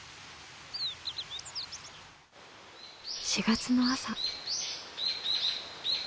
４月の朝。